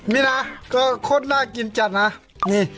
นี่นะก็โคตรน่ากินจัดนะนี่